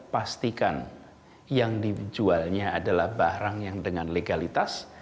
pastikan yang dijualnya adalah barang yang dengan legalitas